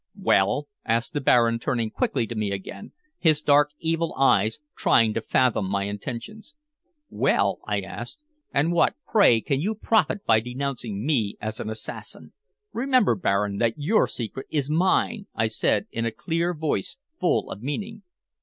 "Well?" asked the Baron, turning quickly to me again, his dark, evil eyes trying to fathom my intentions. "Well?" I asked. "And what, pray, can you profit by denouncing me as an assassin? Remember, Baron, that your secret is mine," I said in a clear voice full of meaning.